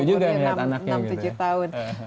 kalau nanti anaknya udah umur enam tujuh tahun